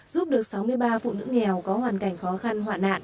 giúp được sáu mươi ba phụ nữ nghèo có hoàn cảnh khó khăn